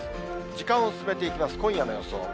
時間を進めていきます、今夜の予想。